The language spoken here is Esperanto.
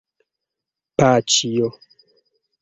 Paĉjo!